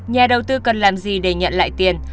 nhà đầu tư cần làm gì để nhận lại tiền